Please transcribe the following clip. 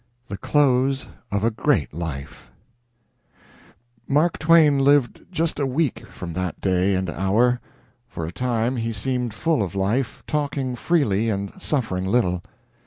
LXX. THE CLOSE OF A GREAT LIFE Mark Twain lived just a week from that day and hour. For a time he seemed full of life, talking freely, and suffering little.